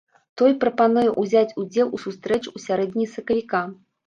Той прапануе ўзяць удзел у сустрэчы ў сярэдзіне сакавіка.